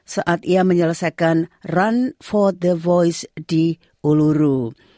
saat ia menyelesaikan run for the voice di uluru